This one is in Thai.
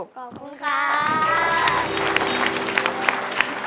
ขอบคุณค่ะ